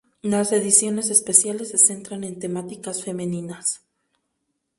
Las ediciones especiales se centran en temáticas femeninas.